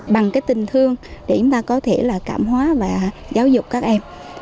bằng cái tình thương để chúng ta có thể là cảm hóa và giáo dục các em